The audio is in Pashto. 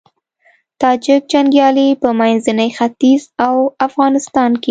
تاجیک جنګيالي په منځني ختيځ او افغانستان کې